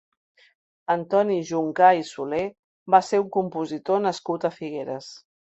Antoni Juncà i Soler va ser un compositor nascut a Figueres.